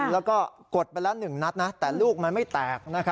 แล้วก็กดไปแล้ว๑นัดนะแต่ลูกมันไม่แตก